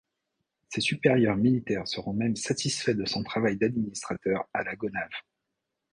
Ses supérieurs militaires seront même satisfaits de son travail d'administrateur à La Gonâve.